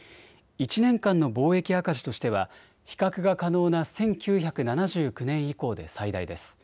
１年間の貿易赤字としては比較が可能な１９７９年以降で最大です。